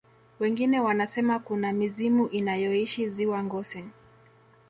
wengine wanasema kuna mizimu inayoishi ziwa ngosi